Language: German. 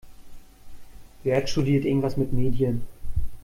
Jörg studiert irgendwas mit Medien.